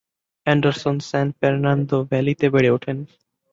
Anderson San Fernando ভ্যালিতে বেড়ে ওঠেন।